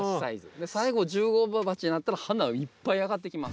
最後１０号鉢になったら花いっぱいあがってきます。